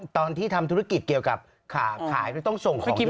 ตอนที่ทำธุรกิจเกี่ยวกับขายนึกต้องส่งของที่เยอะ